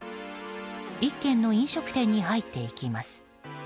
１軒の飲食店に入っていきます。